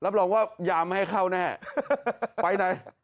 รับรองว่ายามไม่ให้เข้าแน่ไปนะ